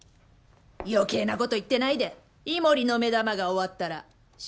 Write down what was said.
余計なこと言ってないでイモリの目玉が終わったら塩の粒！